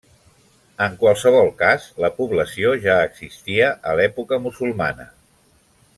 En qualsevol cas, la població ja existia a l'època musulmana.